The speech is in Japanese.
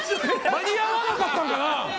間に合わなかったんかな？